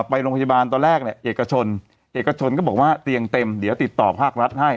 ไปโรงพยาบาลตอนแรกเนี่ยเอกชนเอกชนก็บอกว่าเตียงเต็มเดี๋ยวติดต่อภาครัฐให้